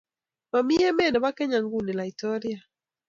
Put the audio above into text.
Mami emet nebo Kenya nguni laitoriat